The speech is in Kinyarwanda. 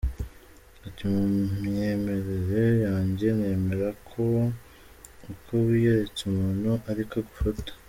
Ati “Mu myemerere yanjye nemera ko uko wiyeretse umuntu ariko agufata.